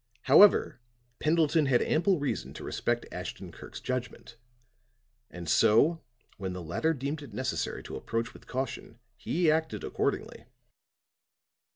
However, Pendleton had ample reason to respect Ashton Kirk's judgment; and so when the latter deemed it necessary to approach with caution, he acted accordingly.